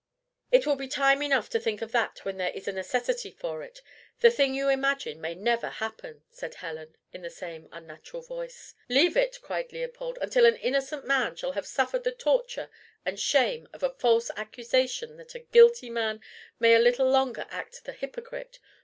"It will be time enough to think of that when there is a necessity for it. The thing you imagine may never happen," said Helen, in the same unnatural voice. "Leave it," cried Leopold, "until an innocent man shall have suffered the torture and shame of a false accusation, that a guilty man may a little longer act the hypocrite!